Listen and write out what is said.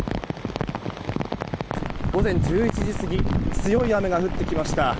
午前１１時過ぎ強い雨が降ってきました。